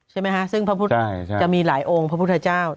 ใช่ไหมคะซึ่งพระพุทธจะมีหลายองค์พระพุทธเจ้า